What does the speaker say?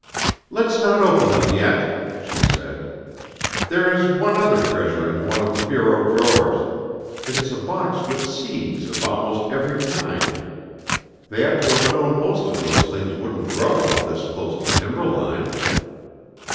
"Let's not open them yet," she said. "There is one other treasure in one of the bureau drawers; it is a box with seeds of almost every kind. They ought to have known most of those things wouldn't grow up this close to timber line."